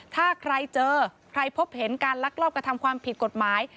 ถ้าใครเจอใครพบเห็นการลักลอบกระทำความผิดกฎหมาย